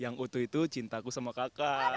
yang utuh itu cintaku sama kakak